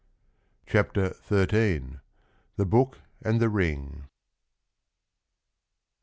CHAPTER Xni THE BOOK AND THE BING The.